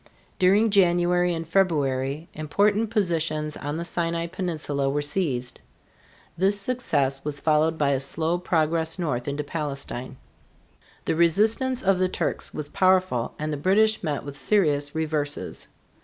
During January and February important positions on the Sinai peninsula were seized. This success was followed by a slow progress north into Palestine. The resistance of the Turks was powerful and the British met with serious reverses.